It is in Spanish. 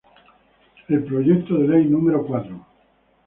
El Proyecto de Ley No.